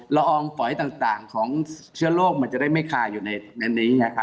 อองฝอยต่างของเชื้อโรคมันจะได้ไม่คาอยู่ในนี้